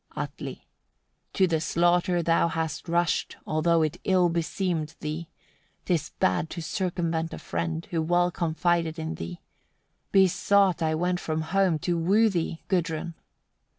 Atli. 91. To the slaughter thou hast rushed, although it ill beseemed thee; 'tis bad to circumvent a friend, who well confided in thee. Besought I went from home, to woo thee, Gudrun!